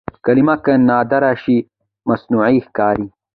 کلمه که نادره شي مصنوعي ښکاري.